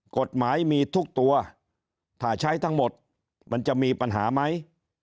กฎหมายมีทุกตัวถ้าใช้ทั้งหมดมันจะมีปัญหาไหม